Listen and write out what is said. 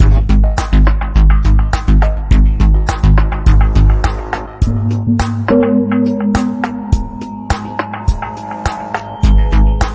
วิ่งเร็วมากครับ